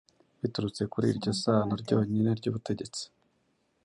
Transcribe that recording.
biturutse kuri iryo sano ryonyine ry'ubutegetsi